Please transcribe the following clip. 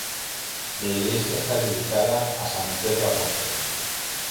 La iglesia está dedicada a San Pedro Apóstol.